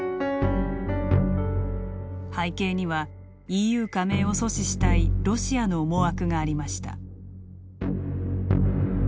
背景にはＥＵ加盟を阻止したいロシアの思惑がありました。